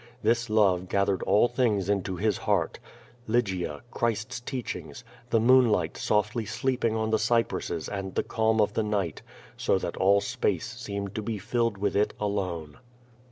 This love gathered all things into his heart, Lygia, Christ's teachings, the moonlight softly sleeping on the cypresses and the calm of the night, so that all space seemed to be filled with it alone.